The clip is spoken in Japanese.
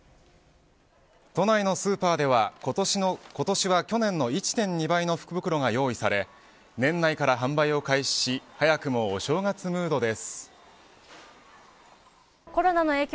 都内のスーパーでは今年は去年の１．２倍の福袋が用意され年内から販売を開始し早くもお正月ムードです。